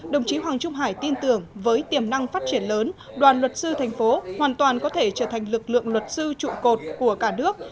đồng chí hoàng trung hải tin tưởng với tiềm năng phát triển lớn đoàn luật sư thành phố hoàn toàn có thể trở thành lực lượng luật sư trụ cột của cả nước